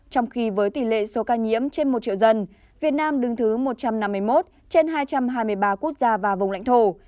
trong khi với tỷ lệ số ca nhiễm trên một triệu dân việt nam đứng thứ một trăm năm mươi một trên hai trăm hai mươi ba quốc gia và vùng lãnh thổ